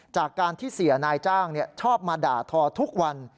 จากการที่เสียนายจ้างชอบมาด่าทอทุกวัน